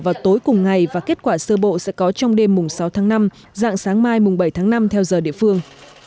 vào tối cùng ngày và kết quả sơ bộ sẽ có trong đêm sáu tháng năm dạng sáng mai bảy tháng năm theo giờ địa phương